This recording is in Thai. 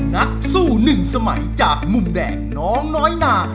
นักสู้หนึ่งสมัยจากมุมแดงน้องน้อยนา